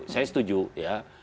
saya setuju ya